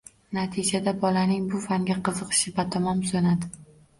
Natijada bolaning bu fanga qiziqishi batamom so‘nadi.